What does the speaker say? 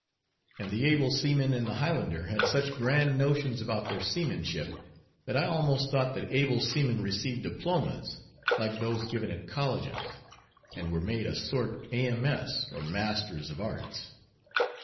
And the able seamen in the Highlander had such grand notions about their seamanship, that I almost thought that able seamen received diplomas, like those given at colleges; and were made a sort A.M.S, or _Masters of Arts.